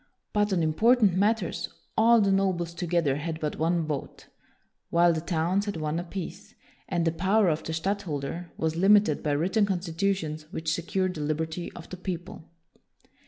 But on important matters all the nobles together had but one vote, while the towns had one apiece, and the power of the stadtholder was limited by written constitutions which secured the liberty of the people.